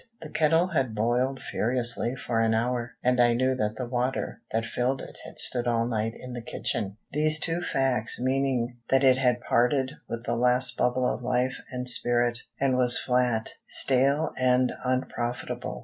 The kettle had boiled furiously for an hour, and I knew that the water that filled it had stood all night in the kitchen; these two facts meaning that it had parted with the last bubble of life and spirit, and was flat, stale and unprofitable.